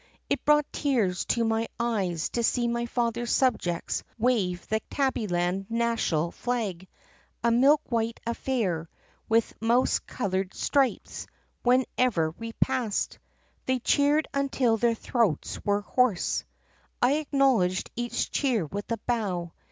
It brought tears to my eyes to see my father's subjects wave the Tabbyland national flag — a milk white affair, with mouse colored stripes — wherever we passed. They cheered until their throats were hoarse. "I acknowledged each cheer with a bow.